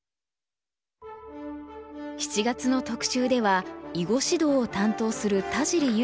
７月の特集では囲碁指導を担当する田尻悠